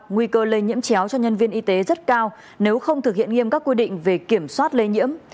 nguy cơ lây nhiễm chéo cho nhân viên y tế rất cao nếu không thực hiện nghiêm các quy định về kiểm soát lây nhiễm